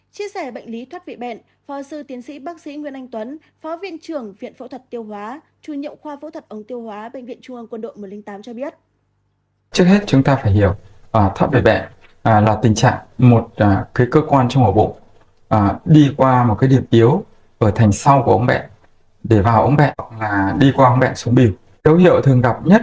chia sẻ bệnh lý thoát vị bệnh phó sư tiến sĩ bác sĩ nguyễn anh tuấn phó viện trưởng viện phẫu thuật tiêu hóa chủ nhậu khoa phẫu thuật ống tiêu hóa bệnh viện trung ương quân đội một trăm linh tám cho biết